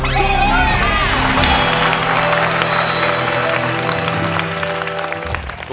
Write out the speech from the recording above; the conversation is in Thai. สู้ค่ะ